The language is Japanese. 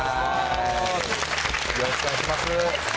よろしくお願いします。